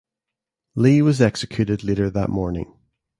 Lee was executed later that morning.